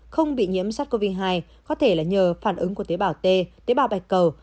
không bị nhiễm sars cov hai có thể là nhờ phản ứng của tế bào t tế bào bạch cầu